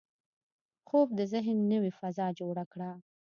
خوب د ذهن نوې فضا جوړه کړي